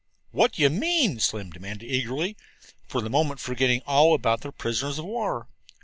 "What do you mean?" Slim demanded eagerly, for the moment forgetting all about their prisoners of war.